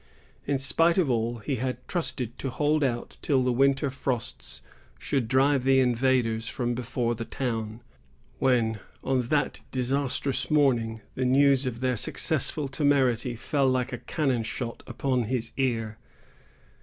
In spite of all, he had trusted to hold out till the winter frosts should drive the invaders from before the town; when, on that disastrous morning, the news of their successful temerity fell like a cannon shot upon his ear.